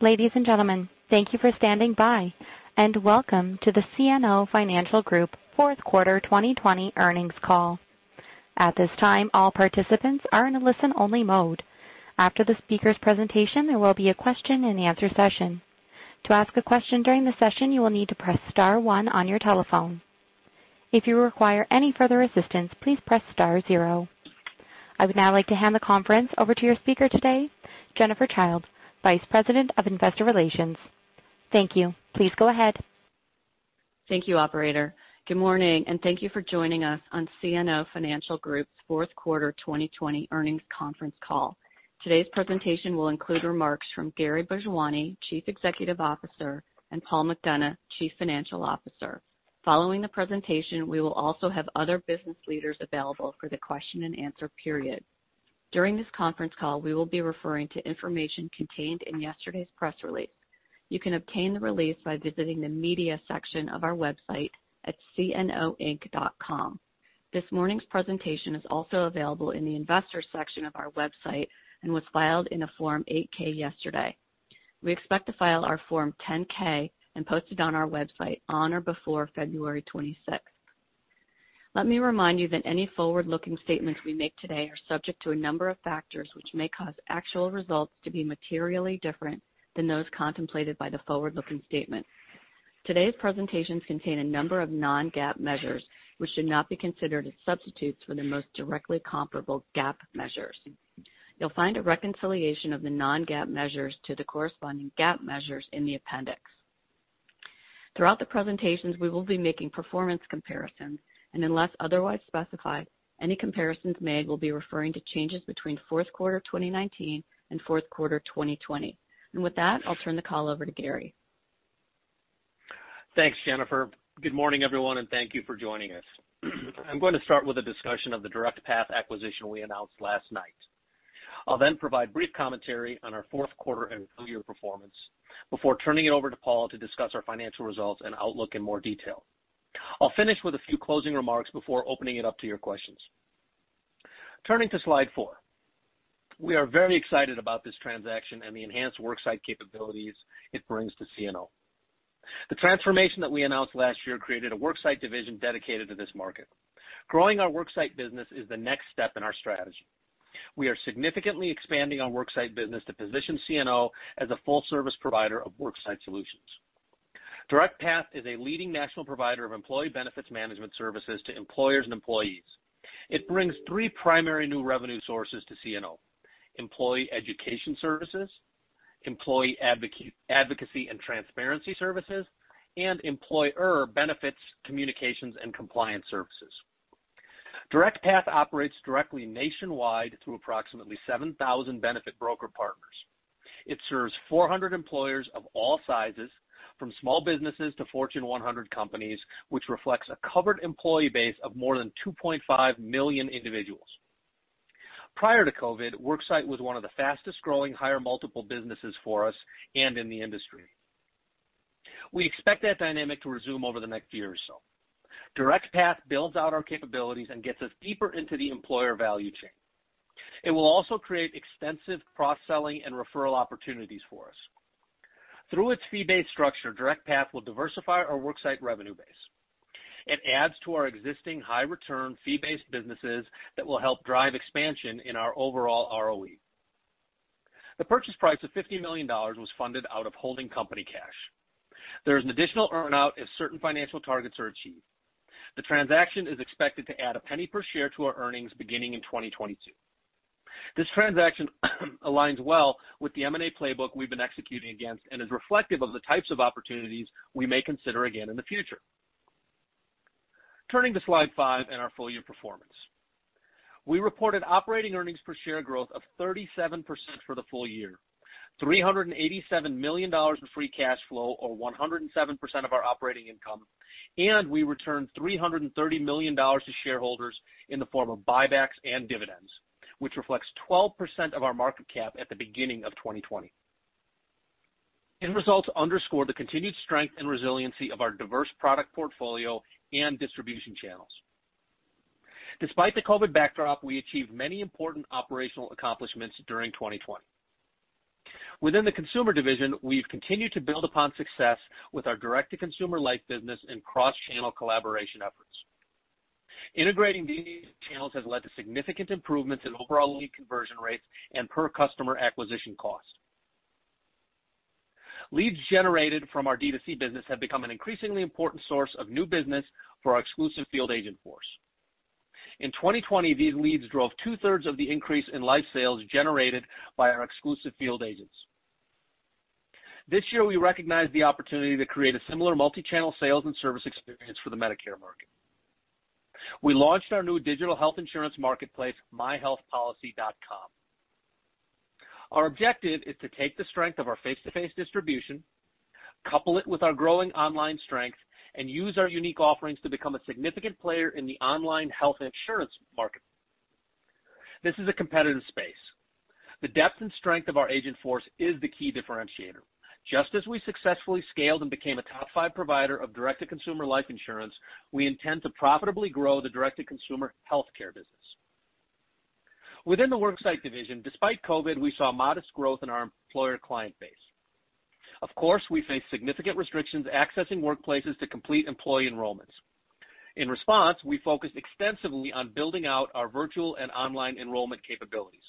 Ladies and gentlemen, thank you for standing by, and welcome to the CNO Financial Group fourth quarter 2020 earnings call. At this time, all participants are in a listen-only mode. After the speaker's presentation, there will be a question and answer session. To ask a question during the session, you will need to press star one on your telephone. If you require any further assistance, please press star zero. I would now like to hand the conference over to your speaker today, Jennifer Childe, Vice President of Investor Relations. Thank you. Please go ahead. Thank you, operator. Good morning, and thank you for joining us on CNO Financial Group's fourth quarter 2020 earnings conference call. Today's presentation will include remarks from Gary Bhojwani, Chief Executive Officer, and Paul McDonough, Chief Financial Officer. Following the presentation, we will also have other business leaders available for the question and answer period. During this conference call, we will be referring to information contained in yesterday's press release. You can obtain the release by visiting the media section of our website at cnoinc.com. This morning's presentation is also available in the investors section of our website and was filed in a Form 8-K yesterday. We expect to file our Form 10-K and post it on our website on or before February 26th. Let me remind you that any forward-looking statements we make today are subject to a number of factors which may cause actual results to be materially different than those contemplated by the forward-looking statements. Today's presentations contain a number of non-GAAP measures which should not be considered as substitutes for the most directly comparable GAAP measures. You'll find a reconciliation of the non-GAAP measures to the corresponding GAAP measures in the appendix. Throughout the presentations, we will be making performance comparisons, and unless otherwise specified, any comparisons made will be referring to changes between fourth quarter 2019 and fourth quarter 2020. With that, I'll turn the call over to Gary. Thanks, Jennifer. Good morning, everyone, and thank you for joining us. I'm going to start with a discussion of the Direct Path acquisition we announced last night. I'll then provide brief commentary on our fourth quarter and full year performance before turning it over to Paul to discuss our financial results and outlook in more detail. I'll finish with a few closing remarks before opening it up to your questions. Turning to slide four. We are very excited about this transaction and the enhanced Worksite capabilities it brings to CNO. The transformation that we announced last year created a Worksite division dedicated to this market. Growing our Worksite business is the next step in our strategy. We are significantly expanding our Worksite business to position CNO as a full-service provider of Worksite solutions. Direct Path is a leading national provider of employee benefits management services to employers and employees. It brings three primary new revenue sources to CNO: employee education services, employee advocacy and transparency services, and employer benefits communications and compliance services. DirectPath operates directly nationwide through approximately 7,000 benefit broker partners. It serves 400 employers of all sizes, from small businesses to Fortune 100 companies, which reflects a covered employee base of more than 2.5 million individuals. Prior to COVID, Worksite was one of the fastest-growing higher multiple businesses for us and in the industry. We expect that dynamic to resume over the next year or so. DirectPath builds out our capabilities and gets us deeper into the employer value chain. It will also create extensive cross-selling and referral opportunities for us. Through its fee-based structure, DirectPath will diversify our Worksite revenue base. It adds to our existing high return fee-based businesses that will help drive expansion in our overall ROE. The purchase price of $50 million was funded out of holding company cash. There is an additional earn-out if certain financial targets are achieved. The transaction is expected to add $0.01 per share to our earnings beginning in 2022. This transaction aligns well with the M&A playbook we've been executing against and is reflective of the types of opportunities we may consider again in the future. Turning to slide five and our full year performance. We reported operating earnings per share growth of 37% for the full year, $387 million in free cash flow or 107% of our operating income, and we returned $330 million to shareholders in the form of buybacks and dividends, which reflects 12% of our market cap at the beginning of 2020. End results underscore the continued strength and resiliency of our diverse product portfolio and distribution channels. Despite the COVID backdrop, we achieved many important operational accomplishments during 2020. Within the consumer division, we've continued to build upon success with our direct-to-consumer life business and cross-channel collaboration efforts. Integrating these channels has led to significant improvements in overall lead conversion rates and per customer acquisition costs. Leads generated from our D2C business have become an increasingly important source of new business for our exclusive field agent force. In 2020, these leads drove two-thirds of the increase in life sales generated by our exclusive field agents. This year, we recognized the opportunity to create a similar multi-channel sales and service experience for the Medicare market. We launched our new digital health insurance marketplace, myhealthpolicy.com. Our objective is to take the strength of our face-to-face distribution, couple it with our growing online strength, and use our unique offerings to become a significant player in the online health insurance market. This is a competitive space. The depth and strength of our agent force is the key differentiator. Just as we successfully scaled and became a top five provider of direct-to-consumer life insurance, we intend to profitably grow the direct-to-consumer healthcare business. Within the Worksite Division, despite COVID, we saw modest growth in our employer client base. Of course, we faced significant restrictions accessing workplaces to complete employee enrollments. In response, we focused extensively on building out our virtual and online enrollment capabilities.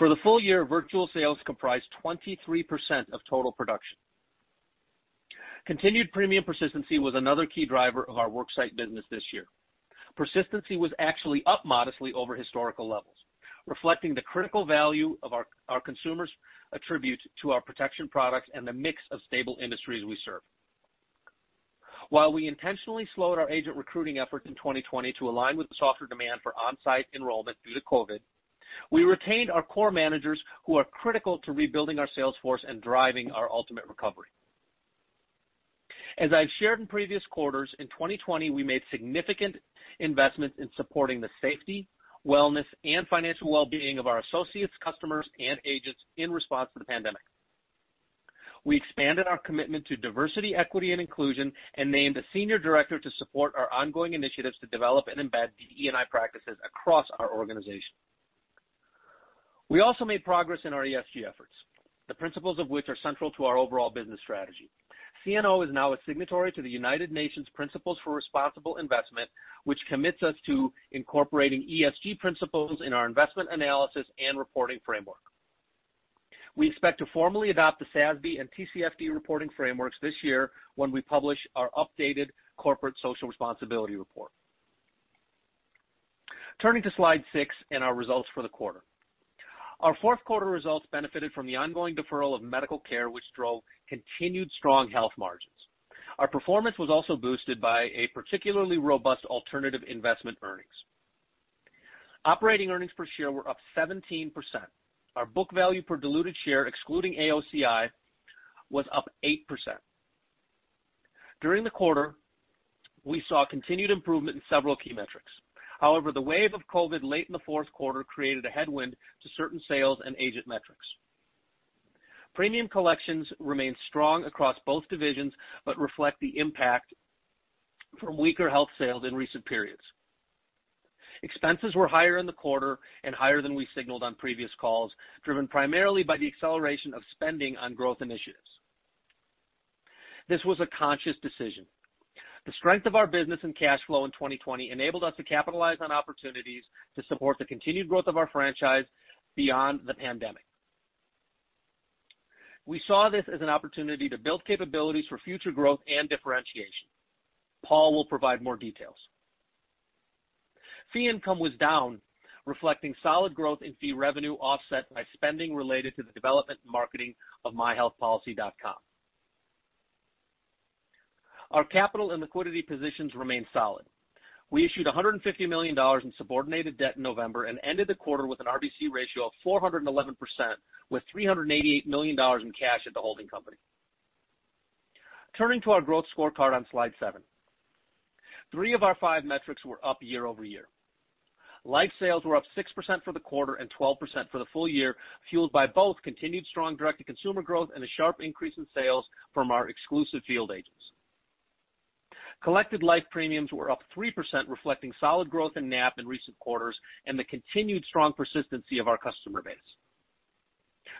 For the full year, virtual sales comprised 23% of total production. Continued premium persistency was another key driver of our Worksite business this year. Persistency was actually up modestly over historical levels, reflecting the critical value of our consumers' attribute to our protection products and the mix of stable industries we serve. While we intentionally slowed our agent recruiting efforts in 2020 to align with the softer demand for on-site enrollment due to COVID, we retained our core managers who are critical to rebuilding our sales force and driving our ultimate recovery. As I've shared in previous quarters, in 2020, we made significant investments in supporting the safety, wellness, and financial wellbeing of our associates, customers, and agents in response to the pandemic. We expanded our commitment to diversity, equity, and inclusion and named a senior director to support our ongoing initiatives to develop and embed DE&I practices across our organization. We also made progress in our ESG efforts, the principles of which are central to our overall business strategy. CNO is now a signatory to the United Nations Principles for Responsible Investment, which commits us to incorporating ESG principles in our investment analysis and reporting framework. We expect to formally adopt the SASB and TCFD reporting frameworks this year when we publish our updated corporate social responsibility report. Turning to slide six and our results for the quarter. Our fourth quarter results benefited from the ongoing deferral of medical care, which drove continued strong health margins. Our performance was also boosted by a particularly robust alternative investment earnings. Operating earnings per share were up 17%. Our book value per diluted share, excluding AOCI, was up 8%. During the quarter, we saw continued improvement in several key metrics. However, the wave of COVID late in the fourth quarter created a headwind to certain sales and agent metrics. Premium collections remained strong across both divisions but reflect the impact from weaker health sales in recent periods. Expenses were higher in the quarter and higher than we signaled on previous calls, driven primarily by the acceleration of spending on growth initiatives. This was a conscious decision. The strength of our business and cash flow in 2020 enabled us to capitalize on opportunities to support the continued growth of our franchise beyond the pandemic. We saw this as an opportunity to build capabilities for future growth and differentiation. Paul will provide more details. Fee income was down, reflecting solid growth in fee revenue offset by spending related to the development and marketing of myhealthpolicy.com. Our capital and liquidity positions remain solid. We issued $150 million in subordinated debt in November and ended the quarter with an RBC ratio of 411%, with $388 million in cash at the holding company. Turning to our growth scorecard on slide seven. Three of our five metrics were up year-over-year. Life sales were up 6% for the quarter and 12% for the full year, fueled by both continued strong direct-to-consumer growth and a sharp increase in sales from our exclusive field agents. Collected life premiums were up 3%, reflecting solid growth in NAP in recent quarters and the continued strong persistency of our customer base.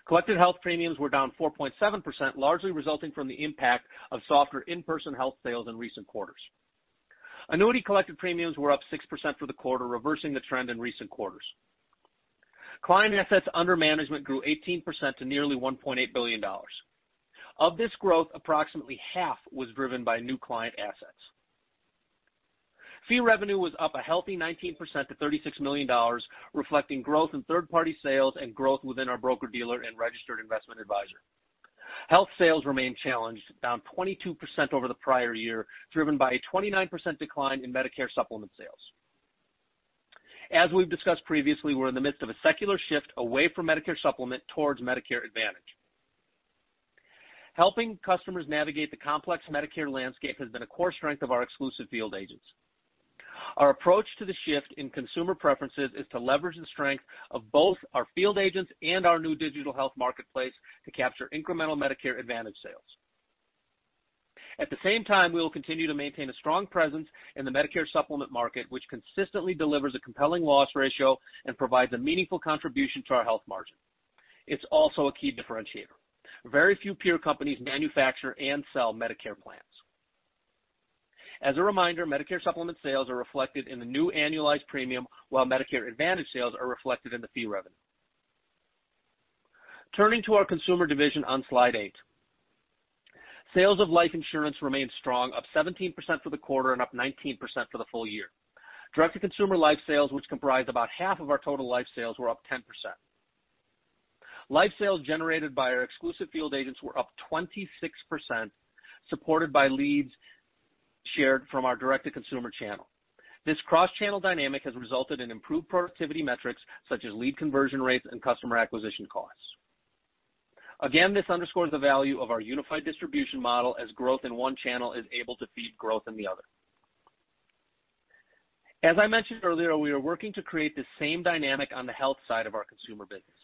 Collected health premiums were down 4.7%, largely resulting from the impact of softer in-person health sales in recent quarters. Annuity collected premiums were up 6% for the quarter, reversing the trend in recent quarters. Client assets under management grew 18% to nearly $1.8 billion. Of this growth, approximately half was driven by new client assets. Fee revenue was up a healthy 19% to $36 million, reflecting growth in third-party sales and growth within our broker-dealer and registered investment advisor. Health sales remained challenged, down 22% over the prior year, driven by a 29% decline in Medicare Supplement sales. As we've discussed previously, we're in the midst of a secular shift away from Medicare Supplement towards Medicare Advantage. Helping customers navigate the complex Medicare landscape has been a core strength of our exclusive field agents. Our approach to the shift in consumer preferences is to leverage the strength of both our field agents and our new digital health marketplace to capture incremental Medicare Advantage sales. At the same time, we will continue to maintain a strong presence in the Medicare Supplement market, which consistently delivers a compelling loss ratio and provides a meaningful contribution to our health margin. It's also a key differentiator. Very few peer companies manufacture and sell Medicare plans. As a reminder, Medicare Supplement sales are reflected in the new annualized premium, while Medicare Advantage sales are reflected in the fee revenue. Turning to our Consumer division on slide eight. Sales of life insurance remained strong, up 17% for the quarter and up 19% for the full year. Direct-to-consumer life sales, which comprise about half of our total life sales, were up 10%. Life sales generated by our exclusive field agents were up 26%, supported by leads shared from our direct-to-consumer channel. This cross-channel dynamic has resulted in improved productivity metrics such as lead conversion rates and customer acquisition costs. This underscores the value of our unified distribution model as growth in one channel is able to feed growth in the other. As I mentioned earlier, we are working to create the same dynamic on the health side of our consumer business.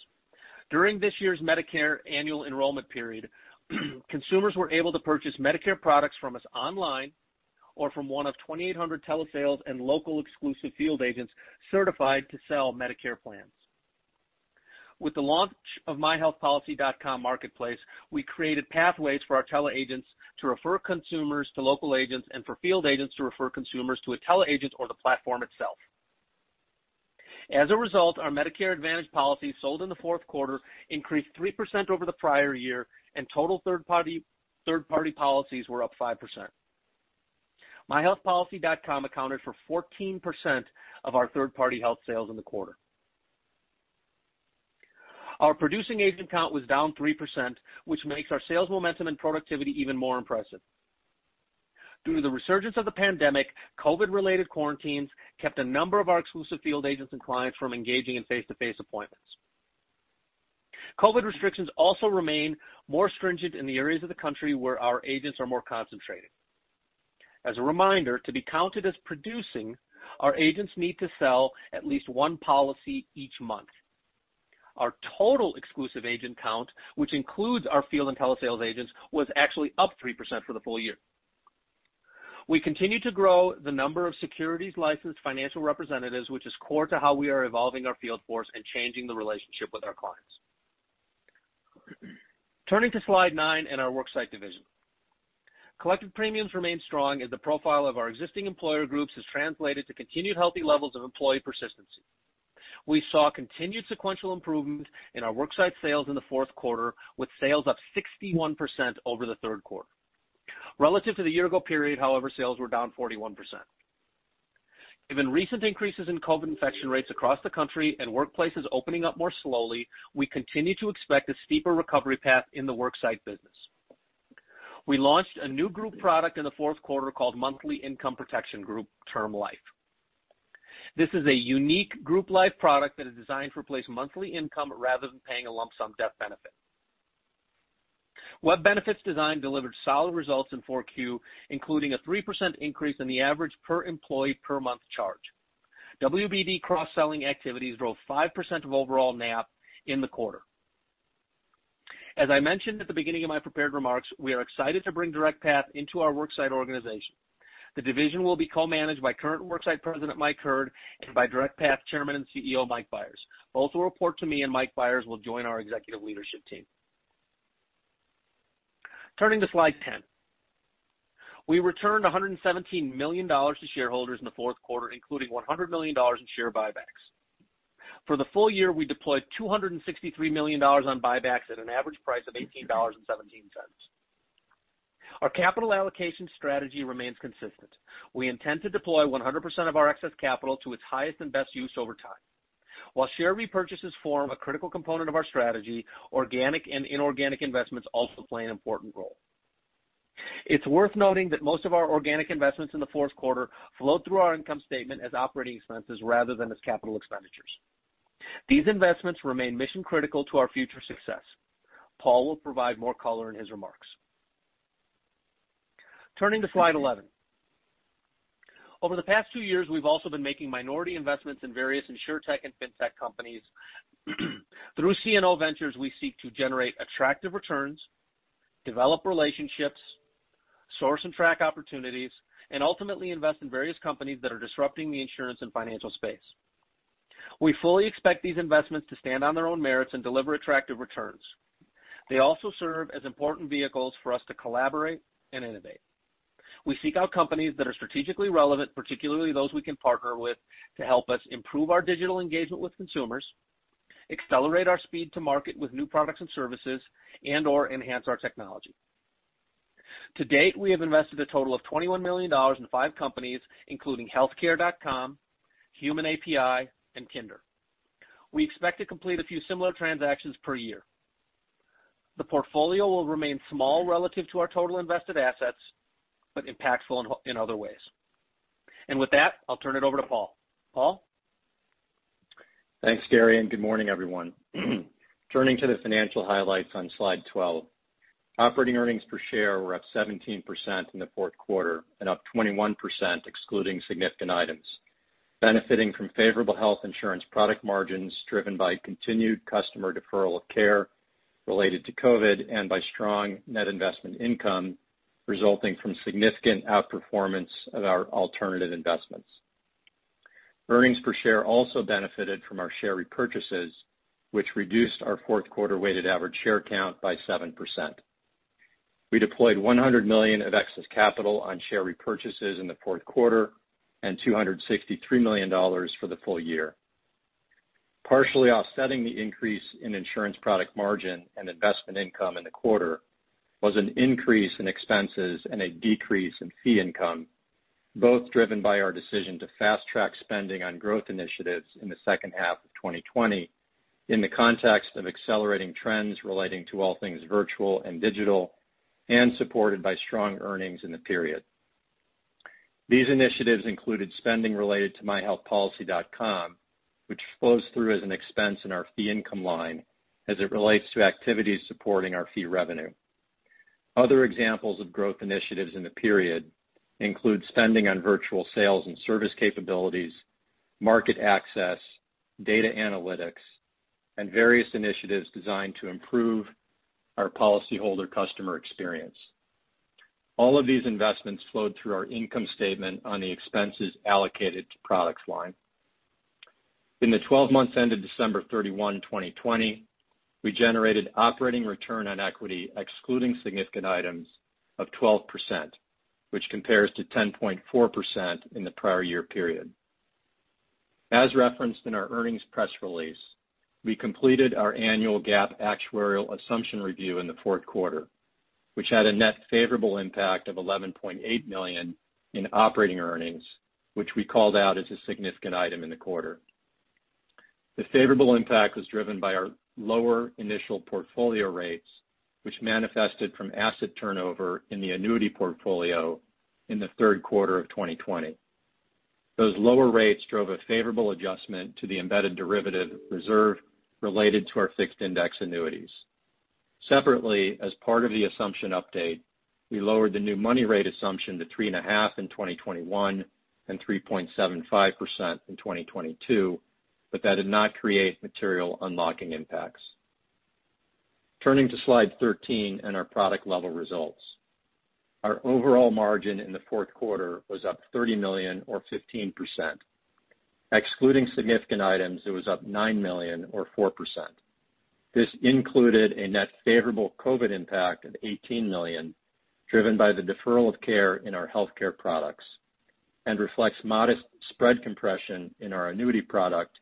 During this year's Medicare annual enrollment period, consumers were able to purchase Medicare products from us online or from one of 2,800 telesales and local exclusive field agents certified to sell Medicare plans. With the launch of myhealthpolicy.com marketplace, we created pathways for our tele agents to refer consumers to local agents and for field agents to refer consumers to a tele agent or the platform itself. As a result, our Medicare Advantage policies sold in the fourth quarter increased 3% over the prior year, and total third-party policies were up 5%. myhealthpolicy.com accounted for 14% of our third-party health sales in the quarter. Our producing agent count was down 3%, which makes our sales momentum and productivity even more impressive. Due to the resurgence of the pandemic, COVID-related quarantines kept a number of our exclusive field agents and clients from engaging in face-to-face appointments. COVID restrictions also remain more stringent in the areas of the country where our agents are more concentrated. As a reminder, to be counted as producing, our agents need to sell at least one policy each month. Our total exclusive agent count, which includes our field and telesales agents, was actually up 3% for the full year. We continue to grow the number of securities licensed financial representatives, which is core to how we are evolving our field force and changing the relationship with our clients. Turning to Slide nine and our Worksite division. Collected premiums remain strong as the profile of our existing employer groups has translated to continued healthy levels of employee persistency. We saw continued sequential improvement in our Worksite sales in the fourth quarter, with sales up 61% over the third quarter. Relative to the year-ago period, however, sales were down 41%. Given recent increases in COVID infection rates across the country and workplaces opening up more slowly, we continue to expect a steeper recovery path in the Worksite business. We launched a new group product in the fourth quarter called Monthly Income Protection Group Term Life. This is a unique group life product that is designed to replace monthly income rather than paying a lump sum death benefit. Web Benefits Design delivered solid results in Q4, including a 3% increase in the average per employee per month charge. WBD cross-selling activities drove 5% of overall NAP in the quarter. As I mentioned at the beginning of my prepared remarks, we are excited to bring DirectPath into our Worksite organization. The division will be co-managed by current Worksite president Mike Heard and by DirectPath chairman and CEO Mike Byers. Both will report to me, and Mike Byers will join our executive leadership team. Turning to Slide 10. We returned $117 million to shareholders in the fourth quarter, including $100 million in share buybacks. For the full year, we deployed $263 million on buybacks at an average price of $18.17. Our capital allocation strategy remains consistent. We intend to deploy 100% of our excess capital to its highest and best use over time. While share repurchases form a critical component of our strategy, organic and inorganic investments also play an important role. It's worth noting that most of our organic investments in the fourth quarter flow through our income statement as operating expenses rather than as capital expenditures. These investments remain mission-critical to our future success. Paul will provide more color in his remarks. Turning to Slide 11. Over the past two years, we've also been making minority investments in various insurtech and fintech companies. Through CNO Ventures, we seek to generate attractive returns, develop relationships, source and track opportunities, and ultimately invest in various companies that are disrupting the insurance and financial space. We fully expect these investments to stand on their own merits and deliver attractive returns. They also serve as important vehicles for us to collaborate and innovate. We seek out companies that are strategically relevant, particularly those we can partner with to help us improve our digital engagement with consumers, accelerate our speed to market with new products and services, or enhance our technology. To date, we have invested a total of $21 million in five companies, including HealthCare.com, Human API, and Kindur. We expect to complete a few similar transactions per year. The portfolio will remain small relative to our total invested assets, but impactful in other ways. With that, I'll turn it over to Paul. Paul? Thanks, Gary, and good morning, everyone. Turning to the financial highlights on Slide 12. Operating earnings per share were up 17% in the fourth quarter and up 21% excluding significant items, benefiting from favorable health insurance product margins driven by continued customer deferral of care related to COVID and by strong net investment income resulting from significant outperformance of our alternative investments. Earnings per share also benefited from our share repurchases, which reduced our fourth quarter weighted average share count by 7%. We deployed $100 million of excess capital on share repurchases in the fourth quarter and $263 million for the full year. Partially offsetting the increase in insurance product margin and investment income in the quarter was an increase in expenses and a decrease in fee income, both driven by our decision to fast-track spending on growth initiatives in the second half of 2020 in the context of accelerating trends relating to all things virtual and digital, and supported by strong earnings in the period. These initiatives included spending related to myhealthpolicy.com, which flows through as an expense in our fee income line as it relates to activities supporting our fee revenue. Other examples of growth initiatives in the period include spending on virtual sales and service capabilities, market access, data analytics, and various initiatives designed to improve our policyholder customer experience. All of these investments flowed through our income statement on the expenses allocated to products line. In the 12 months ended December 31, 2020, we generated operating return on equity, excluding significant items, of 12%, which compares to 10.4% in the prior year period. As referenced in our earnings press release, we completed our annual GAAP actuarial assumption review in the fourth quarter, which had a net favorable impact of $11.8 million in operating earnings, which we called out as a significant item in the quarter. The favorable impact was driven by our lower initial portfolio rates, which manifested from asset turnover in the annuity portfolio in the third quarter of 2020. Those lower rates drove a favorable adjustment to the embedded derivative reserve related to our fixed index annuities. Separately, as part of the assumption update, we lowered the new money rate assumption to 3.5% in 2021 and 3.75% in 2022, that did not create material unlocking impacts. Turning to slide 13 and our product level results. Our overall margin in the fourth quarter was up $30 million or 15%. Excluding significant items, it was up $9 million or 4%. This included a net favorable COVID impact of $18 million, driven by the deferral of care in our healthcare products, and reflects modest spread compression in our annuity product,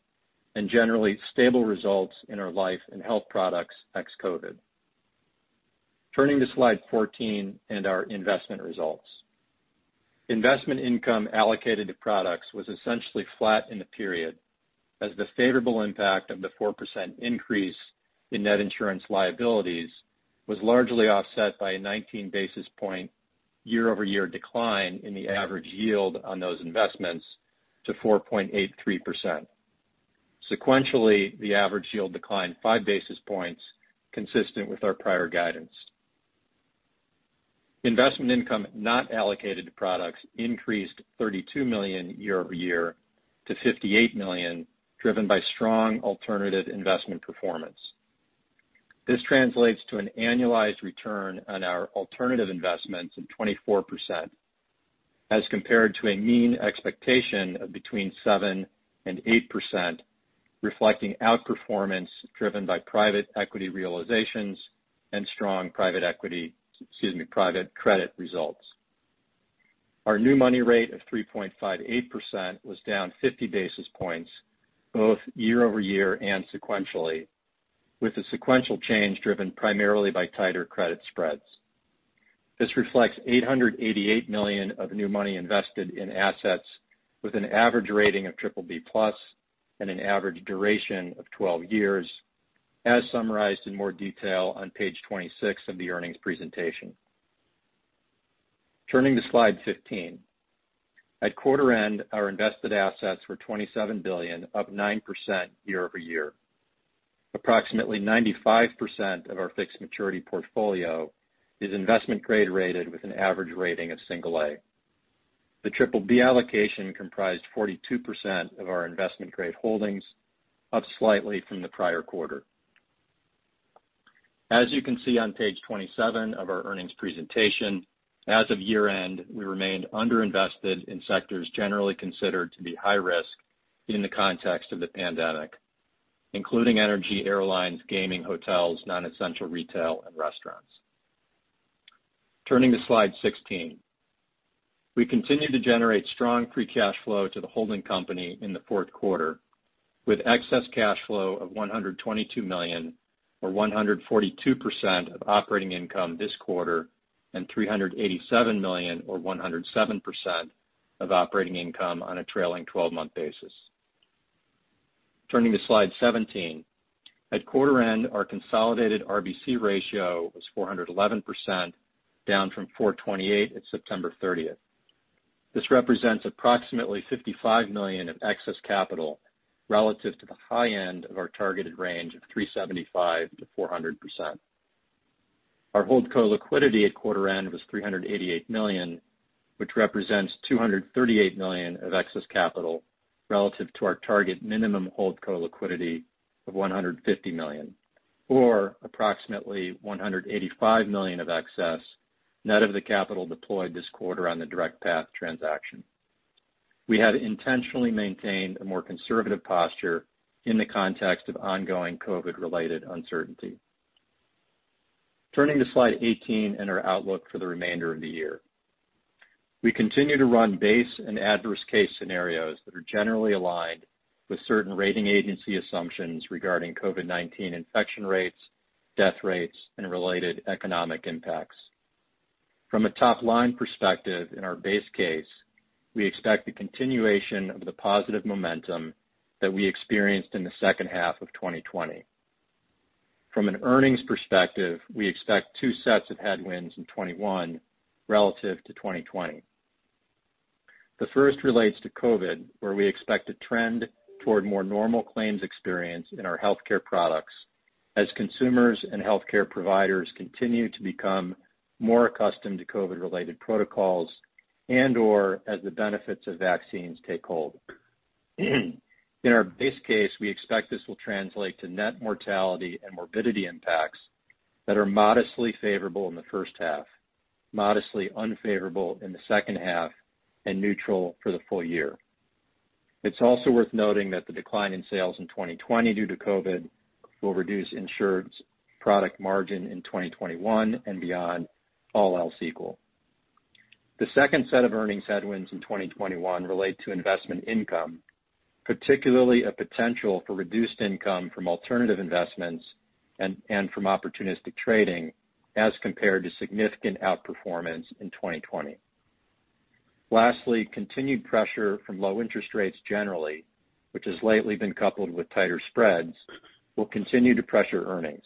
and generally stable results in our life and health products ex-COVID. Turning to slide 14 and our investment results. Investment income allocated to products was essentially flat in the period, as the favorable impact of the 4% increase in net insurance liabilities was largely offset by a 19-basis point year-over-year decline in the average yield on those investments to 4.83%. Sequentially, the average yield declined five basis points, consistent with our prior guidance. Investment income not allocated to products increased $32 million year-over-year to $58 million, driven by strong alternative investment performance. This translates to an annualized return on our alternative investments of 24%, as compared to a mean expectation of between 7% and 8%, reflecting outperformance driven by private equity realizations and strong private credit results. Our new money rate of 3.58% was down 50 basis points both year-over-year and sequentially, with the sequential change driven primarily by tighter credit spreads. This reflects $888 million of new money invested in assets with an average rating of BBB+ and an average duration of 12 years, as summarized in more detail on page 26 of the earnings presentation. Turning to slide 15. At quarter end, our invested assets were $27 billion, up 9% year-over-year. Approximately 95% of our fixed maturity portfolio is investment grade rated with an average rating of single A. The BBB allocation comprised 42% of our investment grade holdings, up slightly from the prior quarter. As you can see on page 27 of our earnings presentation, as of year end, we remained underinvested in sectors generally considered to be high risk in the context of the pandemic, including energy, airlines, gaming, hotels, non-essential retail and restaurants. Turning to slide 16. We continued to generate strong free cash flow to the holding company in the fourth quarter, with excess cash flow of $122 million, or 142% of operating income this quarter, and $387 million or 107% of operating income on a trailing 12-month basis. Turning to slide 17. At quarter end, our consolidated RBC ratio was 411%, down from 428% at September 30th. This represents approximately $55 million of excess capital relative to the high end of our targeted range of 375%-400%. Our holdco liquidity at quarter end was $388 million, which represents $238 million of excess capital relative to our target minimum holdco liquidity of $150 million, or approximately $185 million of excess, net of the capital deployed this quarter on the DirectPath transaction. We have intentionally maintained a more conservative posture in the context of ongoing COVID-related uncertainty. Turning to slide 18 and our outlook for the remainder of the year. We continue to run base and adverse case scenarios that are generally aligned with certain rating agency assumptions regarding COVID-19 infection rates, death rates, and related economic impacts. From a top-line perspective in our base case, we expect the continuation of the positive momentum that we experienced in the second half of 2020. From an earnings perspective, we expect two sets of headwinds in 2021 relative to 2020. The first relates to COVID, where we expect a trend toward more normal claims experience in our healthcare products as consumers and healthcare providers continue to become more accustomed to COVID related protocols and/or as the benefits of vaccines take hold. In our base case, we expect this will translate to net mortality and morbidity impacts that are modestly favorable in the first half, modestly unfavorable in the second half, and neutral for the full year. It's also worth noting that the decline in sales in 2020 due to COVID will reduce insured's product margin in 2021 and beyond, all else equal. The second set of earnings headwinds in 2021 relate to investment income, particularly a potential for reduced income from alternative investments and from opportunistic trading as compared to significant outperformance in 2020. Continued pressure from low interest rates generally, which has lately been coupled with tighter spreads, will continue to pressure earnings.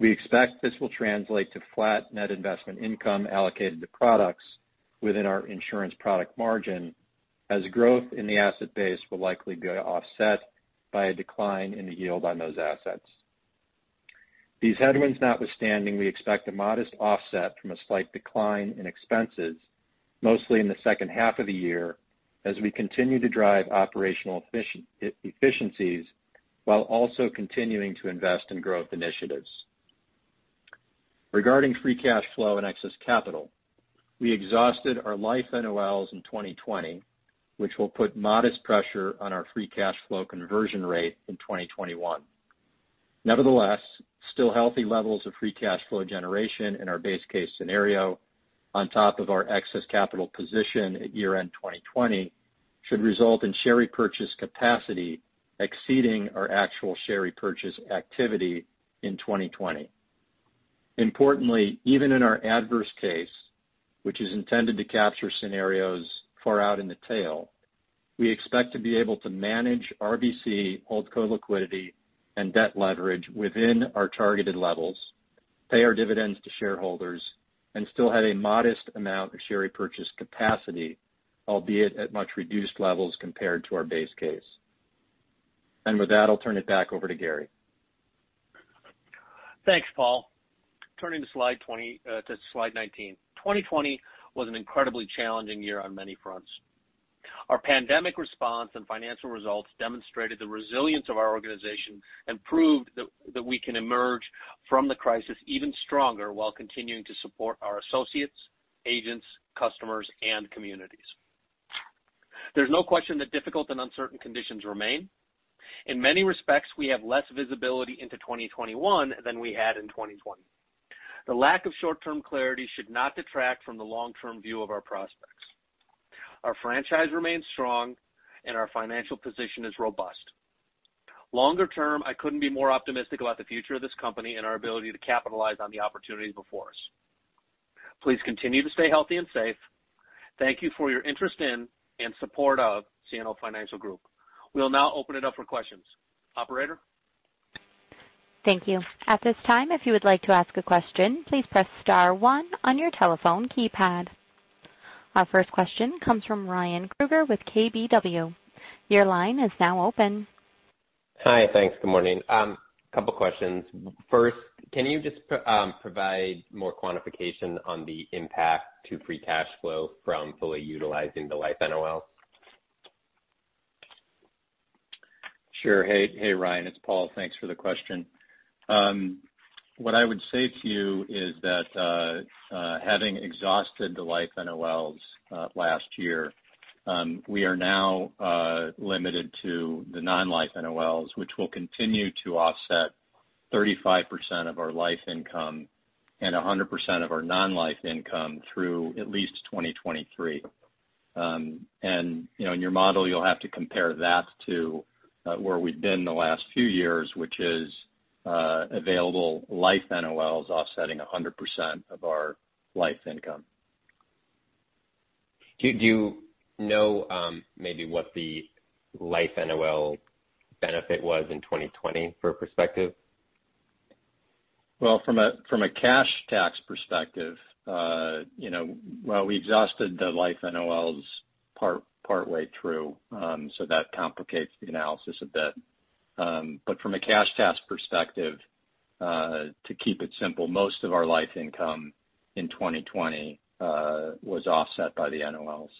We expect this will translate to flat net investment income allocated to products within our insurance product margin, as growth in the asset base will likely be offset by a decline in the yield on those assets. These headwinds notwithstanding, we expect a modest offset from a slight decline in expenses, mostly in the second half of the year, as we continue to drive operational efficiencies while also continuing to invest in growth initiatives. Regarding free cash flow and excess capital, we exhausted our life NOLs in 2020, which will put modest pressure on our free cash flow conversion rate in 2021. Still healthy levels of free cash flow generation in our base case scenario, on top of our excess capital position at year-end 2020, should result in share repurchase capacity exceeding our actual share repurchase activity in 2020. Importantly, even in our adverse case, which is intended to capture scenarios far out in the tail, we expect to be able to manage RBC holdco liquidity and debt leverage within our targeted levels, pay our dividends to shareholders, and still have a modest amount of share repurchase capacity, albeit at much reduced levels compared to our base case. With that, I'll turn it back over to Gary. Thanks, Paul. Turning to slide 19. 2020 was an incredibly challenging year on many fronts. Our pandemic response and financial results demonstrated the resilience of our organization and proved that we can emerge from the crisis even stronger while continuing to support our associates, agents, customers, and communities. There's no question that difficult and uncertain conditions remain. In many respects, we have less visibility into 2021 than we had in 2020. The lack of short-term clarity should not detract from the long-term view of our prospects. Our franchise remains strong, and our financial position is robust. Longer term, I couldn't be more optimistic about the future of this company and our ability to capitalize on the opportunities before us. Please continue to stay healthy and safe. Thank you for your interest in and support of CNO Financial Group. We'll now open it up for questions. Operator? Thank you. At this time, if you would like to ask a question, please press star one on your telephone keypad. Our first question comes from Ryan Krueger with KBW. Your line is now open. Hi. Thanks. Good morning. Couple questions. First, can you just provide more quantification on the impact to free cash flow from fully utilizing the life NOL? Sure. Hey, Ryan Krueger, it's Paul. Thanks for the question. What I would say to you is that having exhausted the life NOLs last year, we are now limited to the non-life NOLs, which will continue to offset 35% of our life income and 100% of our non-life income through at least 2023. In your model, you'll have to compare that to where we've been the last few years, which is available life NOLs offsetting 100% of our life income. Do you know maybe what the life NOL benefit was in 2020 for perspective? Well, from a cash tax perspective, well, we exhausted the life NOLs partway through, that complicates the analysis a bit. From a cash tax perspective, to keep it simple, most of our life income in 2020 was offset by the NOLs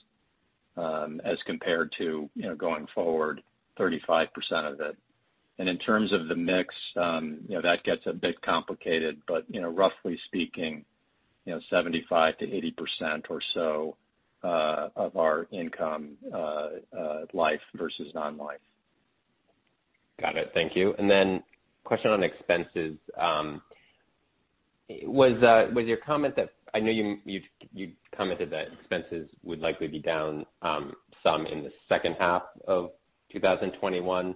as compared to going forward 35% of it. In terms of the mix, that gets a bit complicated, but roughly speaking, 75%-80% or so of our income, life versus non-life. Got it. Thank you. Question on expenses. I know you commented that expenses would likely be down some in the second half of 2021.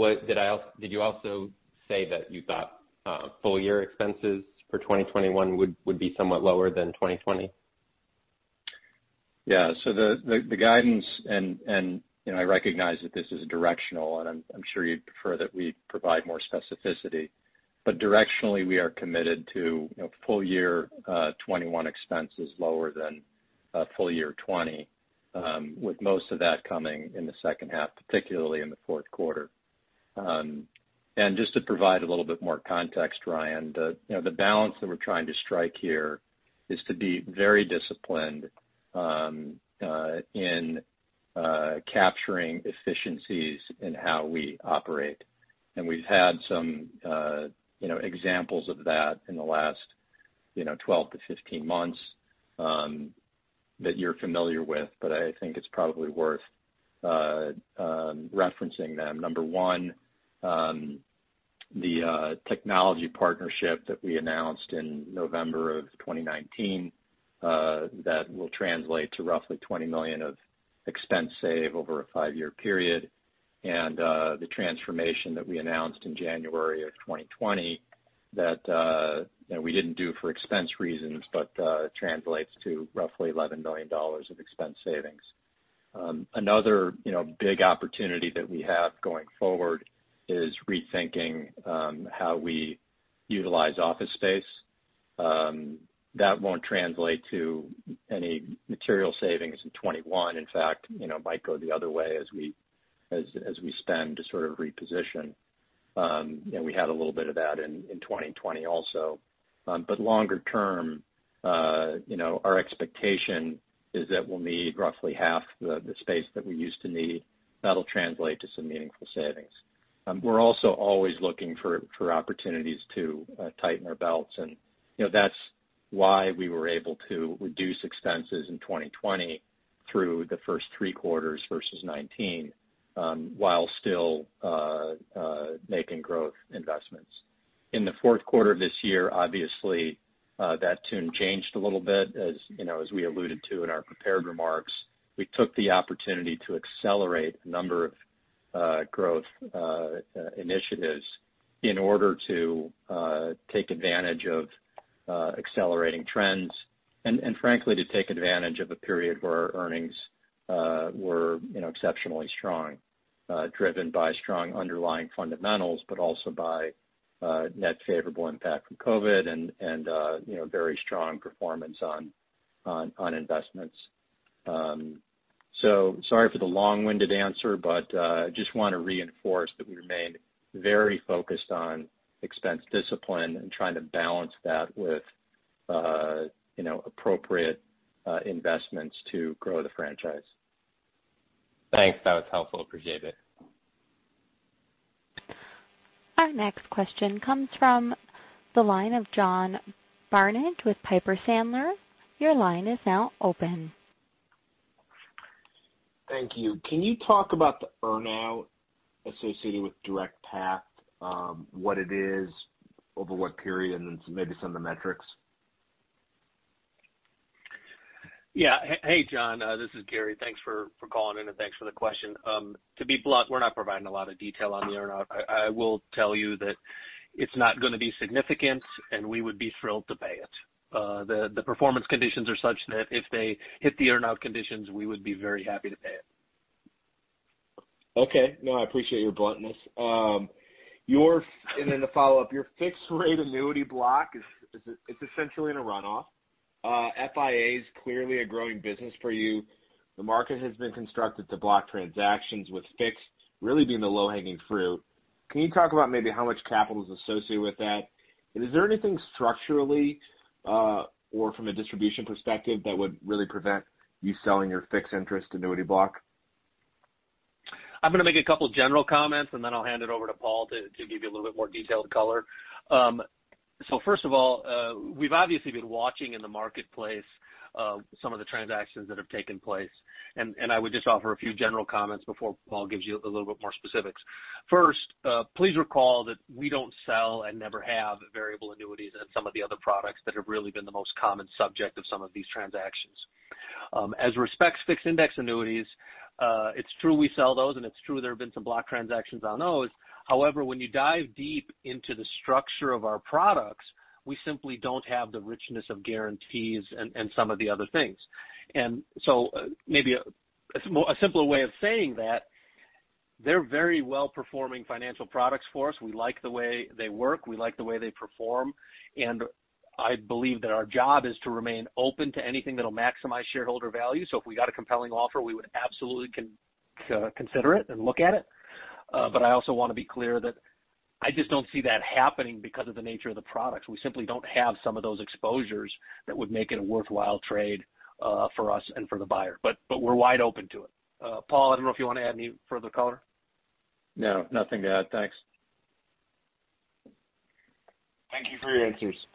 Did you also say that you thought full year expenses for 2021 would be somewhat lower than 2020? The guidance, I recognize that this is directional, and I'm sure you'd prefer that we provide more specificity. Directionally, we are committed to full year 2021 expenses lower than full year 2020, with most of that coming in the second half, particularly in the fourth quarter. Just to provide a little bit more context, Ryan, the balance that we're trying to strike here is to be very disciplined in capturing efficiencies in how we operate. We've had some examples of that in the last 12-15 months that you're familiar with, but I think it's probably worth referencing them. Number one, the technology partnership that we announced in November of 2019, that will translate to roughly $20 million of expense save over a five-year period. The transformation that we announced in January of 2020 that we didn't do for expense reasons, but translates to roughly $11 million of expense savings. Another big opportunity that we have going forward is rethinking how we utilize office space. That won't translate to any material savings in 2021. In fact, it might go the other way as we spend to sort of reposition. We had a little bit of that in 2020 also. Longer term, our expectation is that we'll need roughly half the space that we used to need. That'll translate to some meaningful savings. We're also always looking for opportunities to tighten our belts, that's why we were able to reduce expenses in 2020 through the first three quarters versus 2019, while still making growth investments. In the fourth quarter of this year, obviously, that tune changed a little bit. As we alluded to in our prepared remarks, we took the opportunity to accelerate a number of growth initiatives in order to take advantage of accelerating trends, frankly, to take advantage of a period where our earnings were exceptionally strong, driven by strong underlying fundamentals, also by net favorable impact from COVID and very strong performance on investments. Sorry for the long-winded answer, just want to reinforce that we remain very focused on expense discipline and trying to balance that with appropriate investments to grow the franchise. Thanks. That was helpful. Appreciate it. Our next question comes from the line of John Barnidge with Piper Sandler. Your line is now open. Thank you. Can you talk about the earn-out associated with DirectPath, what it is, over what period, and then maybe some of the metrics? Yeah. Hey, John. This is Gary. Thanks for calling in and thanks for the question. To be blunt, we're not providing a lot of detail on the earn-out. I will tell you that it's not going to be significant, and we would be thrilled to pay it. The performance conditions are such that if they hit the earn-out conditions, we would be very happy to pay it. Okay. No, I appreciate your bluntness. The follow-up, your fixed rate annuity block is essentially in a runoff. FIA is clearly a growing business for you. The market has been constructed to block transactions with fixed really being the low-hanging fruit. Can you talk about maybe how much capital is associated with that? Is there anything structurally or from a distribution perspective that would really prevent you selling your fixed interest annuity block? I'm going to make a couple general comments and then I'll hand it over to Paul to give you a little bit more detailed color. First of all, we've obviously been watching in the marketplace some of the transactions that have taken place, and I would just offer a few general comments before Paul gives you a little bit more specifics. First, please recall that we don't sell and never have variable annuities and some of the other products that have really been the most common subject of some of these transactions. As respects fixed index annuities, it's true we sell those, and it's true there have been some block transactions on those. However, when you dive deep into the structure of our products, we simply don't have the richness of guarantees and some of the other things. Maybe a simpler way of saying that, they're very well-performing financial products for us. We like the way they work. We like the way they perform, I believe that our job is to remain open to anything that'll maximize shareholder value. If we got a compelling offer, we would absolutely consider it and look at it. I also want to be clear that I just don't see that happening because of the nature of the products. We simply don't have some of those exposures that would make it a worthwhile trade for us and for the buyer. We're wide open to it. Paul, I don't know if you want to add any further color. No, nothing to add. Thanks. Thank you for your answers. No problem.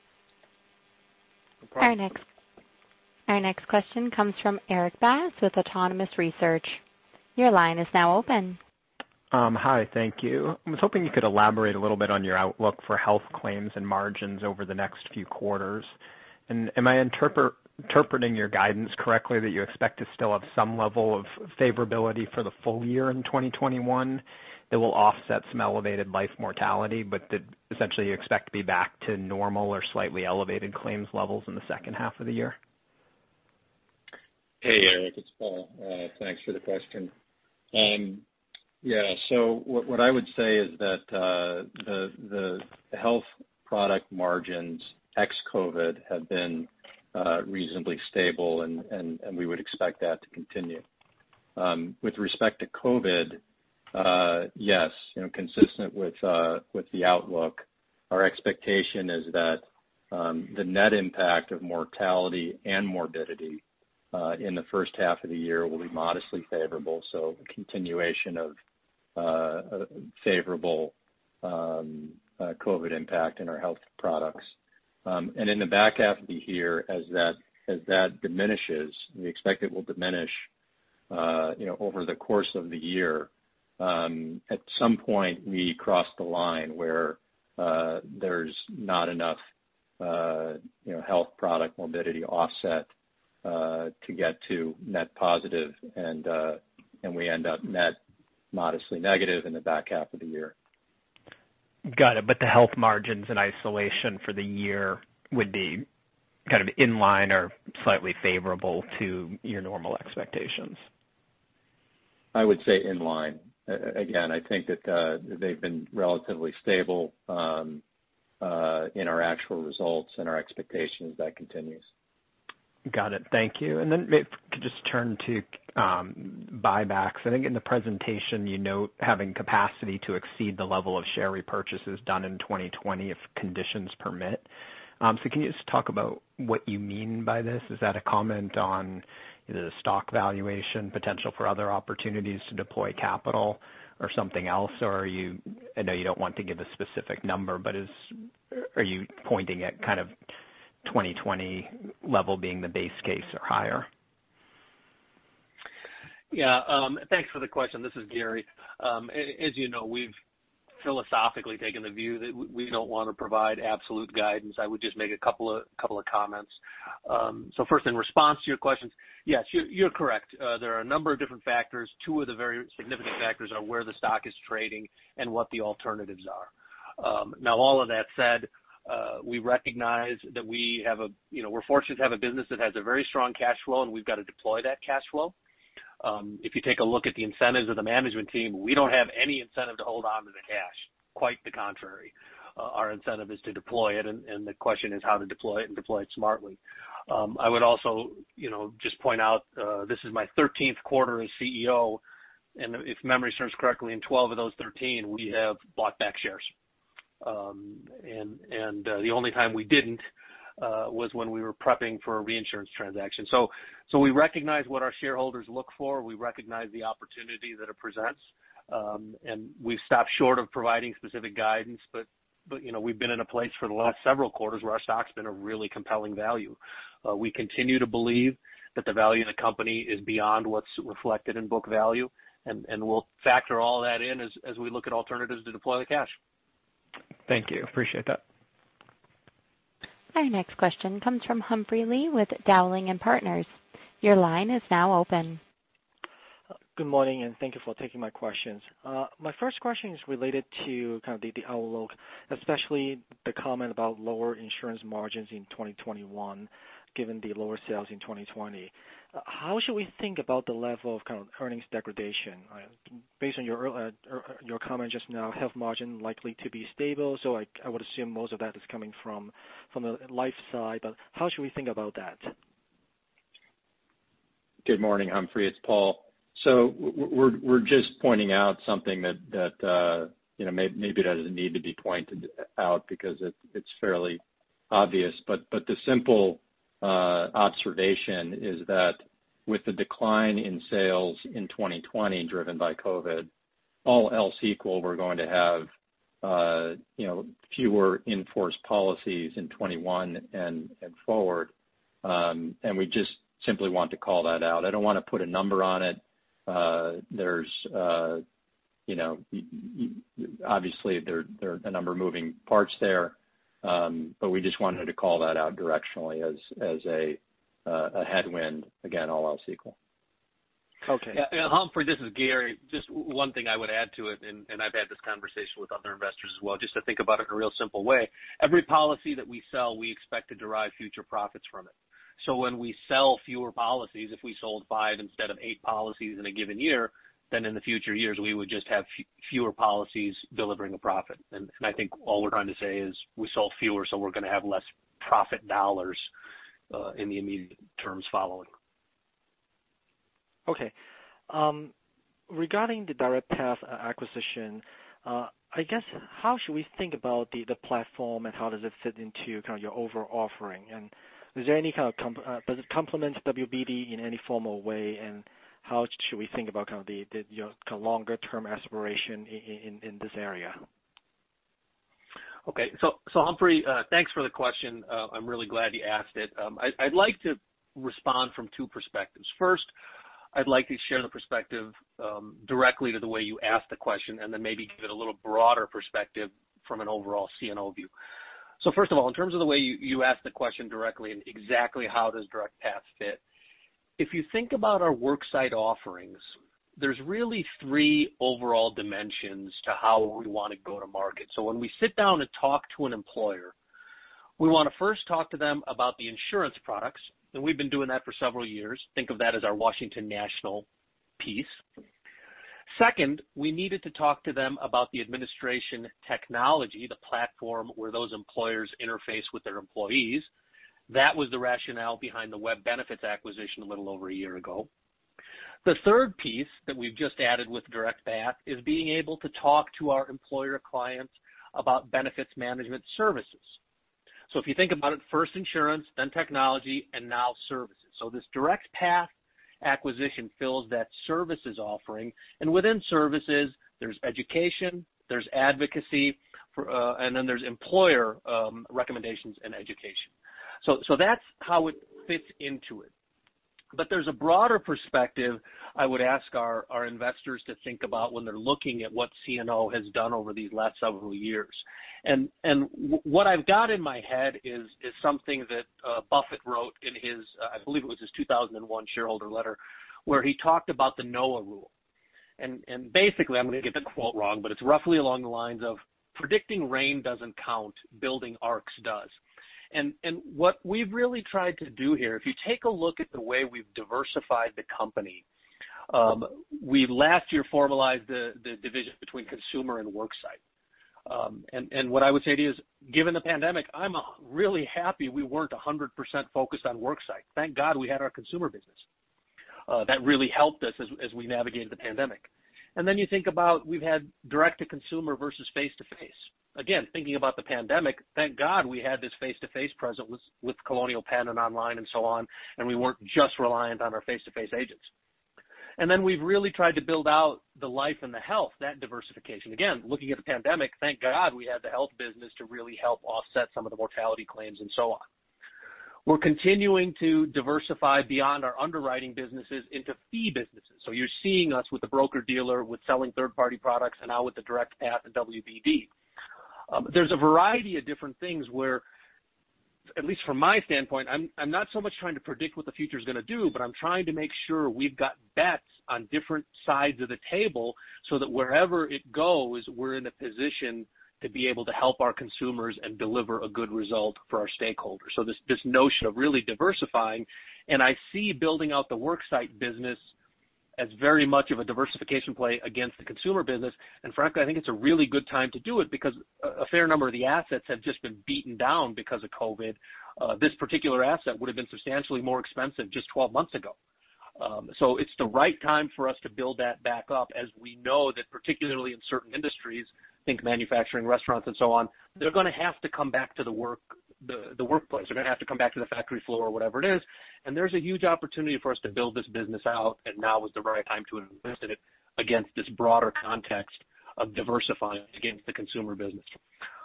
Our next question comes from Erik Bass with Autonomous Research. Your line is now open. Hi, thank you. I was hoping you could elaborate a little bit on your outlook for health claims and margins over the next few quarters. Am I interpreting your guidance correctly that you expect to still have some level of favorability for the full year in 2021 that will offset some elevated life mortality? Did essentially you expect to be back to normal or slightly elevated claims levels in the second half of the year? Hey, Erik, it's Paul. Thanks for the question. What I would say is that the health product margins ex-COVID have been reasonably stable, and we would expect that to continue. With respect to COVID, yes, consistent with the outlook, our expectation is that the net impact of mortality and morbidity in the first half of the year will be modestly favorable. The continuation of favorable COVID impact in our health products. In the back half of the year, as that diminishes, we expect it will diminish over the course of the year. At some point, we cross the line where there's not enough health product morbidity offset to get to net positive, and we end up net modestly negative in the back half of the year. Got it. The health margins in isolation for the year would be kind of in line or slightly favorable to your normal expectations? I would say in line. Again, I think that they've been relatively stable in our actual results and our expectation is that continues. Got it. Thank you. Maybe if we could just turn to buybacks. I think in the presentation, you note having capacity to exceed the level of share repurchases done in 2020 if conditions permit. Can you just talk about what you mean by this? Is that a comment on either the stock valuation potential for other opportunities to deploy capital or something else? I know you don't want to give a specific number, but are you pointing at kind of 2020 level being the base case or higher? Yeah. Thanks for the question. This is Gary. As you know, we've philosophically taken the view that we don't want to provide absolute guidance. I would just make a couple of comments. First, in response to your questions, yes, you're correct. There are a number of different factors. Two of the very significant factors are where the stock is trading and what the alternatives are. All of that said, we recognize that we're fortunate to have a business that has a very strong cash flow, and we've got to deploy that cash flow. If you take a look at the incentives of the management team, we don't have any incentive to hold onto the cash. Quite the contrary. Our incentive is to deploy it, and the question is how to deploy it and deploy it smartly. I would also just point out, this is my 13th quarter as CEO, and if memory serves correctly, in 12 of those 13, we have bought back shares. The only time we didn't was when we were prepping for a reinsurance transaction. We recognize what our shareholders look for. We recognize the opportunity that it presents. We've stopped short of providing specific guidance, but we've been in a place for the last several quarters where our stock's been a really compelling value. We continue to believe that the value in the company is beyond what's reflected in book value, and we'll factor all that in as we look at alternatives to deploy the cash. Thank you. Appreciate that. Our next question comes from Humphrey Lee with Dowling & Partners. Your line is now open. Good morning, and thank you for taking my questions. My first question is related to kind of the outlook, especially the comment about lower insurance margins in 2021, given the lower sales in 2020. How should we think about the level of kind of earnings degradation? Based on your comment just now, health margin likely to be stable. I would assume most of that is coming from the life side. How should we think about that? Good morning, Humphrey. It's Paul. We're just pointing out something that maybe doesn't need to be pointed out because it's fairly obvious. The simple observation is that with the decline in sales in 2020 driven by COVID, all else equal, we're going to have fewer in-force policies in 2021 and forward. We just simply want to call that out. I don't want to put a number on it. Obviously, there are a number of moving parts there. We just wanted to call that out directionally as a headwind, again, all else equal. Okay. Yeah, Humphrey, this is Gary. Just one thing I would add to it, I've had this conversation with other investors as well, just to think about it in a real simple way. Every policy that we sell, we expect to derive future profits from it. When we sell fewer policies, if we sold five instead of eight policies in a given year, then in the future years, we would just have fewer policies delivering a profit. I think all we're trying to say is we sold fewer, so we're going to have less profit dollars in the immediate terms following. Okay. Regarding the DirectPath acquisition, I guess, how should we think about the platform, how does it fit into kind of your overall offering? Does it complement WBD in any formal way, how should we think about kind of the longer-term aspiration in this area? Humphrey, thanks for the question. I'm really glad you asked it. I'd like to respond from two perspectives. First, I'd like to share the perspective directly to the way you asked the question, then maybe give it a little broader perspective from an overall CNO view. First of all, in terms of the way you asked the question directly and exactly how does DirectPath fit? If you think about our Worksite offerings, there's really three overall dimensions to how we want to go to market. When we sit down and talk to an employer. We want to first talk to them about the insurance products, and we've been doing that for several years. Think of that as our Washington National piece. Second, we needed to talk to them about the administration technology, the platform where those employers interface with their employees. That was the rationale behind the Web Benefits acquisition a little over a year ago. The third piece that we've just added with DirectPath is being able to talk to our employer clients about benefits management services. If you think about it, first insurance, then technology, and now services. This DirectPath acquisition fills that services offering, and within services, there's education, there's advocacy, and then there's employer recommendations and education. That's how it fits into it. There's a broader perspective I would ask our investors to think about when they're looking at what CNO has done over these last several years. What I've got in my head is something that Buffett wrote in his, I believe it was his 2001 shareholder letter, where he talked about the Noah rule. Basically, I'm going to get the quote wrong, but it's roughly along the lines of, "Predicting rain doesn't count, building arks does." What we've really tried to do here, if you take a look at the way we've diversified the company, we last year formalized the division between consumer and Worksite. What I would say to you is, given the pandemic, I'm really happy we weren't 100% focused on Worksite. Thank God we had our consumer business. That really helped us as we navigated the pandemic. You think about we've had direct-to-consumer versus face-to-face. Again, thinking about the pandemic, thank God we had this face-to-face presence with Colonial Penn and online and so on, and we weren't just reliant on our face-to-face agents. We've really tried to build out the life and the health, that diversification. Again, looking at the pandemic, thank God we had the health business to really help offset some of the mortality claims and so on. We're continuing to diversify beyond our underwriting businesses into fee businesses. You're seeing us with the broker-dealer, with selling third-party products, and now with the DirectPath and WBD. There's a variety of different things where, at least from my standpoint, I'm not so much trying to predict what the future's going to do, but I'm trying to make sure we've got bets on different sides of the table so that wherever it goes, we're in a position to be able to help our consumers and deliver a good result for our stakeholders. This notion of really diversifying, and I see building out the Worksite business as very much of a diversification play against the consumer business. Frankly, I think it's a really good time to do it because a fair number of the assets have just been beaten down because of COVID. This particular asset would've been substantially more expensive just 12 months ago. It's the right time for us to build that back up as we know that particularly in certain industries, think manufacturing, restaurants, and so on, they're going to have to come back to the workplace. They're going to have to come back to the factory floor or whatever it is, there's a huge opportunity for us to build this business out, now is the right time to invest in it against this broader context of diversifying against the consumer business.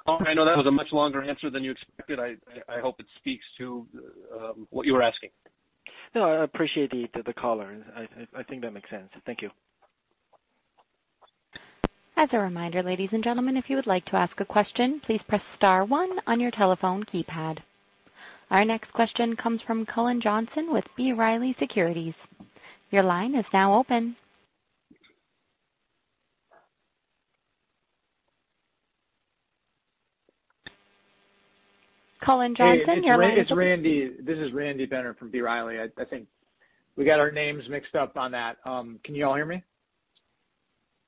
I know that was a much longer answer than you expected. I hope it speaks to what you were asking. No, I appreciate the color. I think that makes sense. Thank you. As a reminder, ladies and gentlemen, if you would like to ask a question, please press star one on your telephone keypad. Our next question comes from Cullen Johnson with B. Riley Securities. Your line is now open. Cullen Johnson, your line is open. Hey, this is Randy Binner from B. Riley. I think we got our names mixed up on that. Can you all hear me?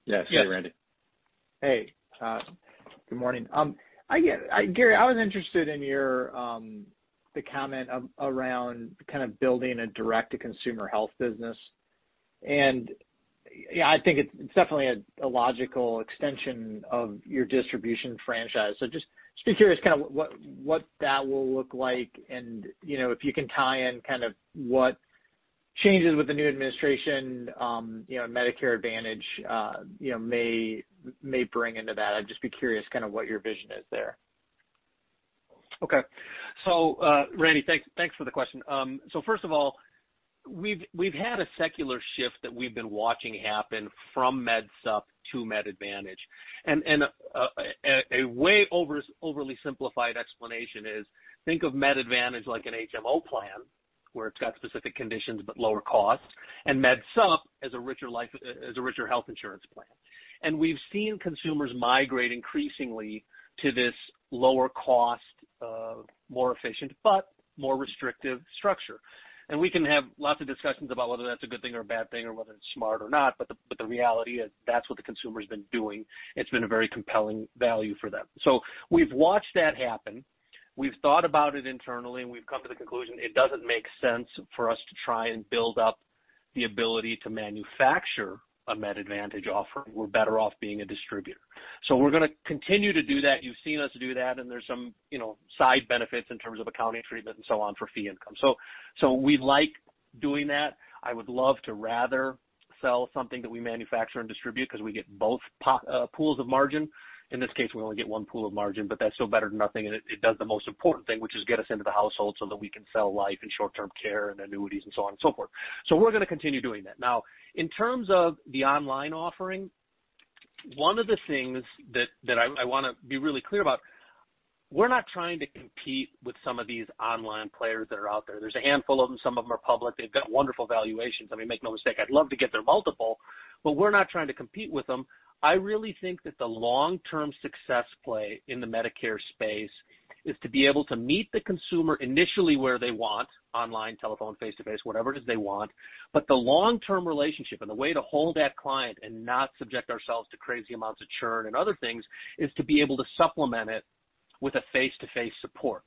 Yes. Yes, Randy. Hey, good morning. Gary, I was interested in the comment around kind of building a direct-to-consumer health business. I think it's definitely a logical extension of your distribution franchise. Just curious kind of what that will look like, and if you can tie in kind of what changes with the new administration, Medicare Advantage may bring into that. I'd just be curious kind of what your vision is there. Randy, thanks for the question. First of all, we've had a secular shift that we've been watching happen from MedSup to Med Advantage. A way overly simplified explanation is think of Med Advantage like an HMO plan, where it's got specific conditions but lower costs, and MedSup as a richer health insurance plan. We've seen consumers migrate increasingly to this lower cost, more efficient, but more restrictive structure. We can have lots of discussions about whether that's a good thing or a bad thing or whether it's smart or not, but the reality is that's what the consumer's been doing. It's been a very compelling value for them. We've watched that happen. We've thought about it internally, and we've come to the conclusion it doesn't make sense for us to try and build up the ability to manufacture a Med Advantage offer. We're better off being a distributor. We're going to continue to do that. You've seen us do that, and there's some side benefits in terms of accounting treatment and so on for fee income. We like doing that. I would love to rather sell something that we manufacture and distribute because we get both pools of margin. In this case, we only get one pool of margin, but that's still better than nothing, and it does the most important thing, which is get us into the household so that we can sell life and short-term care and annuities and so on and so forth. We're going to continue doing that. Now, in terms of the online offering, one of the things that I want to be really clear about, we're not trying to compete with some of these online players that are out there. There's a handful of them. Some of them are public. They've got wonderful valuations. I mean, make no mistake, I'd love to get their multiple. We're not trying to compete with them. I really think that the long-term success play in the Medicare space is to be able to meet the consumer initially where they want, online, telephone, face-to-face, whatever it is they want. The long-term relationship and the way to hold that client and not subject ourselves to crazy amounts of churn and other things, is to be able to supplement it with a face-to-face support.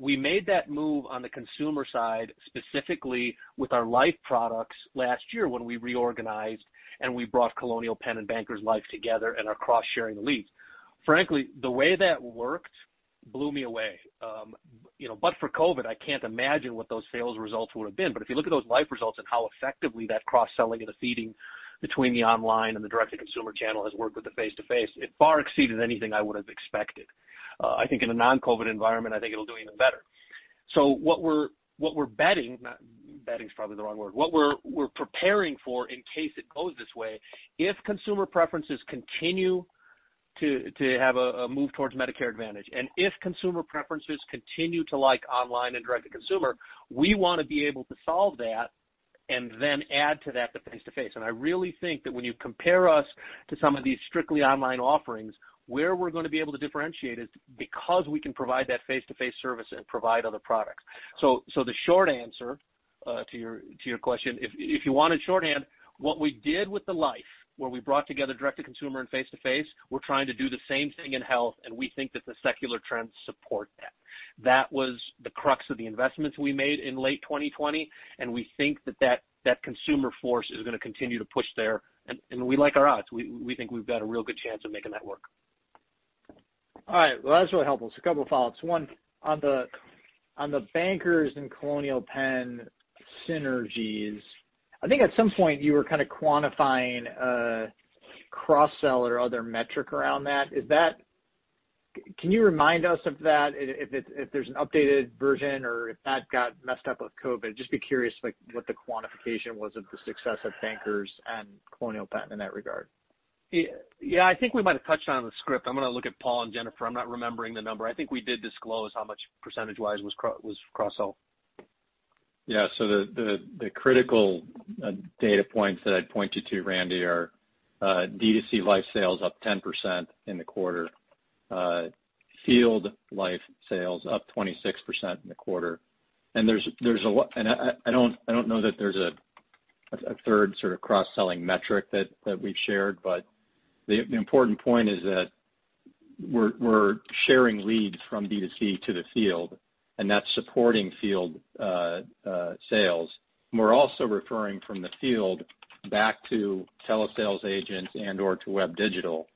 We made that move on the consumer side, specifically with our life products last year when we reorganized and we brought Colonial Penn and Bankers Life together and are cross-sharing leads. The way that worked blew me away. For COVID, I can't imagine what those sales results would've been. If you look at those life results and how effectively that cross-selling and the feeding between the online and the direct-to-consumer channel has worked with the face-to-face, it far exceeded anything I would've expected. I think in a non-COVID environment, I think it'll do even better. What we're betting is probably the wrong word. What we're preparing for in case it goes this way, if consumer preferences continue to have a move towards Medicare Advantage, and if consumer preferences continue to like online and direct-to-consumer, we want to be able to solve that and then add to that the face-to-face. I really think that when you compare us to some of these strictly online offerings, where we're going to be able to differentiate is because we can provide that face-to-face service and provide other products. The short answer to your question, if you want it shorthand, what we did with the life, where we brought together direct-to-consumer and face-to-face, we're trying to do the same thing in health. We think that the secular trends support that. That was the crux of the investments we made in late 2020. We think that consumer force is going to continue to push there. We like our odds. We think we've got a real good chance of making that work. All right. That's really helpful. A couple of follow-ups. One on the Bankers and Colonial Penn synergies. I think at some point you were kind of quantifying a cross-sell or other metric around that. Can you remind us of that if there's an updated version or if that got messed up with COVID? Just be curious, what the quantification was of the success of Bankers and Colonial Penn in that regard. Yeah, I think we might have touched on it in the script. I'm going to look at Paul and Jennifer. I'm not remembering the number. I think we did disclose how much percentage-wise was cross-sell. The critical data points that I'd point you to, Randy, are D2C life sales up 10% in the quarter. Field life sales up 26% in the quarter. I don't know that there's a third sort of cross-selling metric that we've shared, but the important point is that we're sharing leads from D2C to the field and that's supporting field sales. We're also referring from the field back to telesales agents and/or to web digital.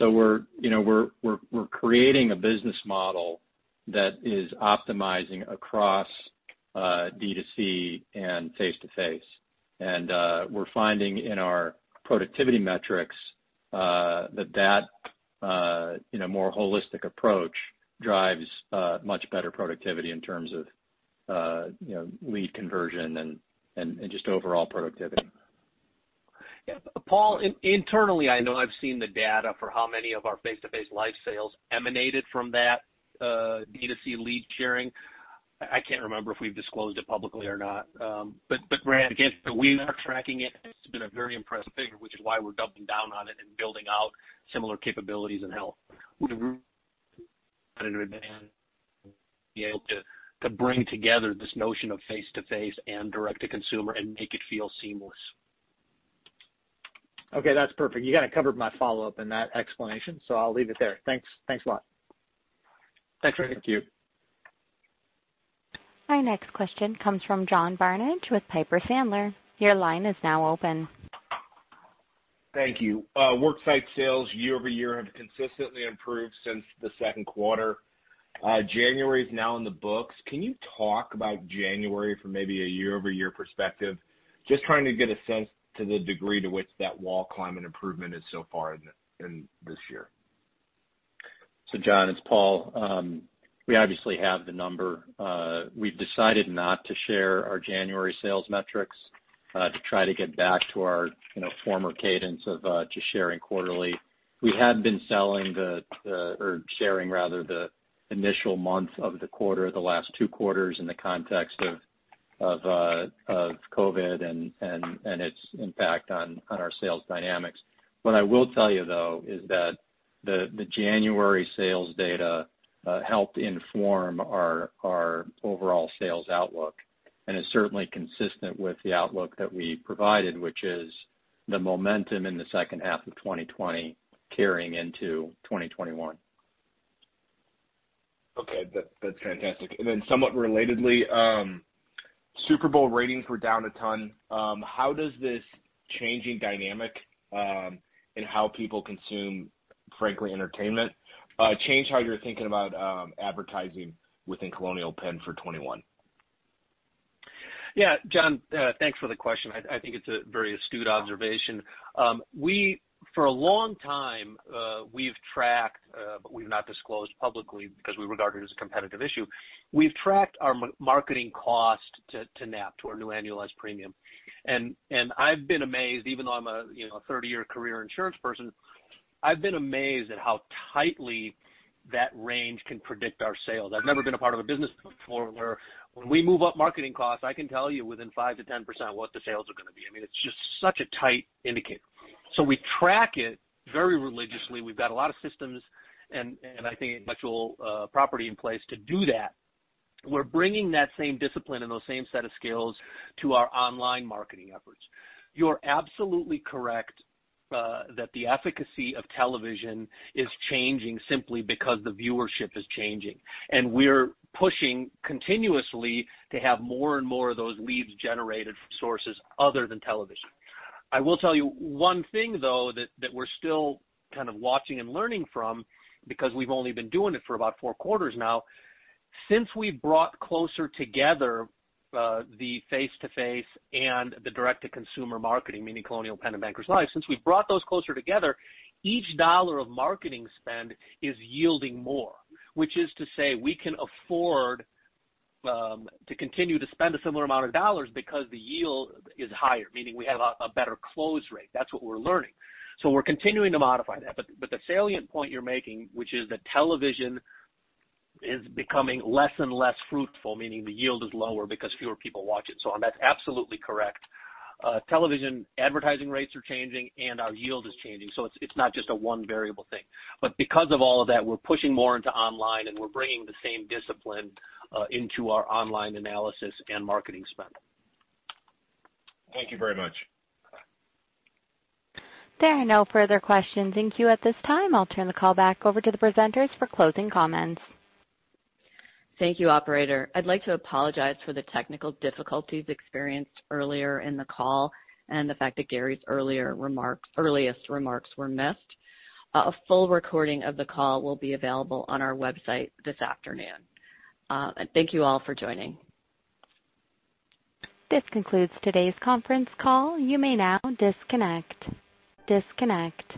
We're creating a business model that is optimizing across D2C and face-to-face. We're finding in our productivity metrics that, more holistic approach drives much better productivity in terms of lead conversion and just overall productivity. Yeah. Paul, internally, I know I've seen the data for how many of our face-to-face life sales emanated from that D2C lead sharing. I can't remember if we've disclosed it publicly or not. Randy, again, we are tracking it, and it's been a very impressive figure, which is why we're doubling down on it and building out similar capabilities in health. We've been able to bring together this notion of face-to-face and direct-to-consumer and make it feel seamless. Okay, that's perfect. You kind of covered my follow-up in that explanation, I'll leave it there. Thanks a lot. Thanks, Randy. Thank you. Our next question comes from John Barnidge with Piper Sandler. Your line is now open. Thank you. Worksite sales year-over-year have consistently improved since the second quarter. January is now in the books. Can you talk about January from maybe a year-over-year perspective? Just trying to get a sense to the degree to which that wall climbing improvement is so far in this year. John, it's Paul. We obviously have the number. We've decided not to share our January sales metrics to try to get back to our former cadence of just sharing quarterly. We had been sharing rather, the initial month of the quarter, the last two quarters in the context of COVID and its impact on our sales dynamics. What I will tell you though is that the January sales data helped inform our overall sales outlook and is certainly consistent with the outlook that we provided, which is the momentum in the second half of 2020 carrying into 2021. Okay. That's fantastic. Somewhat relatedly, Super Bowl ratings were down a ton. How does this changing dynamic in how people consume, frankly, entertainment change how you're thinking about advertising within Colonial Penn for 2021? John, thanks for the question. I think it's a very astute observation. For a long time we've tracked, but we've not disclosed publicly because we regard it as a competitive issue. We've tracked our marketing cost to NAP, to our new annualized premium. I've been amazed, even though I'm a 30-year career insurance person I've been amazed at how tightly that range can predict our sales. I've never been a part of a business before where when we move up marketing costs, I can tell you within 5%-10% what the sales are going to be. It's just such a tight indicator. We track it very religiously. We've got a lot of systems, and I think intellectual property in place to do that. We're bringing that same discipline and those same set of skills to our online marketing efforts. You're absolutely correct that the efficacy of television is changing simply because the viewership is changing, and we're pushing continuously to have more and more of those leads generated from sources other than television. I will tell you one thing, though, that we're still kind of watching and learning from because we've only been doing it for about four quarters now. Since we brought closer together the face-to-face and the direct-to-consumer marketing, meaning Colonial Penn and Bankers Life, since we've brought those closer together, each $1 of marketing spend is yielding more, which is to say we can afford to continue to spend a similar amount of dollars because the yield is higher, meaning we have a better close rate. That's what we're learning. We're continuing to modify that. The salient point you're making, which is that television is becoming less and less fruitful, meaning the yield is lower because fewer people watch it, so on. That's absolutely correct. Television advertising rates are changing, and our yield is changing. It's not just a one variable thing. Because of all of that, we're pushing more into online, and we're bringing the same discipline into our online analysis and marketing spend. Thank you very much. There are no further questions in queue at this time. I'll turn the call back over to the presenters for closing comments. Thank you, operator. I'd like to apologize for the technical difficulties experienced earlier in the call and the fact that Gary's earliest remarks were missed. A full recording of the call will be available on our website this afternoon. Thank you all for joining. This concludes today's conference call. You may now disconnect. Disconnect.